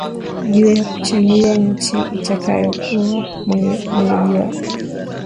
juu ya kuchagua nchi itakayokuwa mwenyeji wa